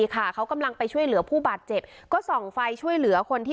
ค่ะเขากำลังไปช่วยเหลือผู้บาดเจ็บก็ส่องไฟช่วยเหลือคนที่